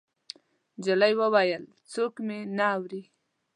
نجلۍ وويل: څوک مې نه اوري.